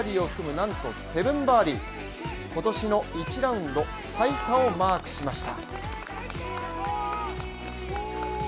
なんと７バーディ、今年の１ラウンド最多をマークしました。